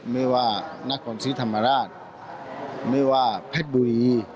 ไม่ว่านักของศรีธรรมราชไม่ว่าแพทย์บุหรี่